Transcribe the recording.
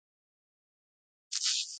د فوټبال لیګونه سپانسر لري